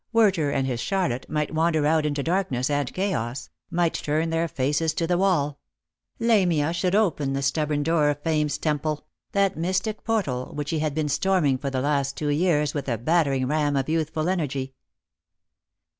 Werter and his Charlotte might wander out into darkness and chaos, might turn their faces to the wall ; Lamia should open the stubborn door of Fame's temple, that mystic portal which he had been storming for the last two years with the battering ram of youthful energy.